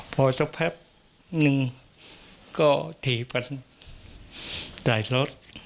พอสักแพบหนึ่งก็ถี่ไปใส่รถ